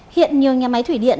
hiện nhiều nhà máy thủy điện